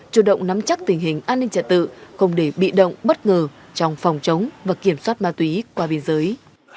chủ động nắm chắc tình hình an ninh trật tự không để bị động bất ngờ trong phòng chống và kiểm soát ma túy qua biên giới